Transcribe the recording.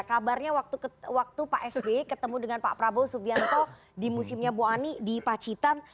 kabarnya waktu pak sby ketemu dengan pak prabowo subianto di musimnya bu ani di pacitan